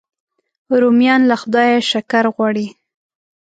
رومیان له خدایه شکر غواړي